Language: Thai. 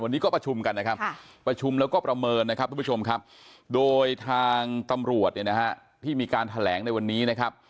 วันนี้ก็ประชุมกันแล้วก็ประเมินโดยทางตำรวจที่มีการแถลงในวันนี้